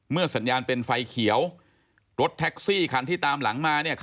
สัญญาณเป็นไฟเขียวรถแท็กซี่คันที่ตามหลังมา